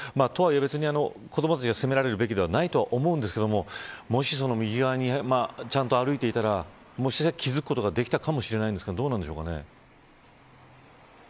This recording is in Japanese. とは言え、子供たちが責められるべきではないと思いますがもし右側にちゃんと歩いていたら気付くことができたかもしれませんがどうでしょうか。